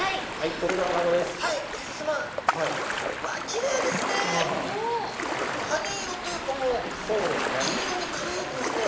こがね色というかもう金色にかがやいてますね。